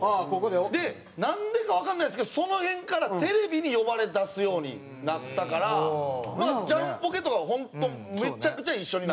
でなんでかわかんないですけどその辺からテレビに呼ばれだすようになったからジャンポケとかは本当めっちゃくちゃ一緒になる。